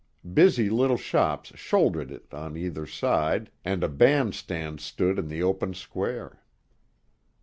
Busy little shops shouldered it on either side, and a band stand stood in the open square.